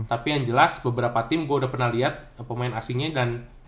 tapi yang jelas beberapa tim gue udah pernah lihat pemain asingnya dan